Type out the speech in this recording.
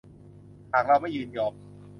หากเราไม่ยินยอม